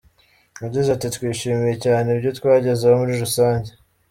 Yagize ati “Twishimiye cyane ibyo twagezeho muri rusange.